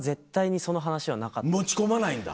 持ち込まないんだ。